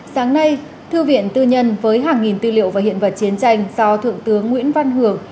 sáng nay thư viện tư nhân với hàng nghìn tư liệu và hiện vật chiến tranh do thượng tướng nguyễn văn hưởng